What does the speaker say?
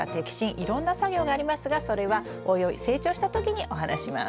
いろんな作業がありますがそれはおいおい成長した時にお話しします。